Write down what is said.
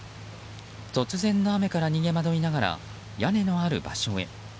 突然の雨から逃げまどいながら屋根のある場所へ。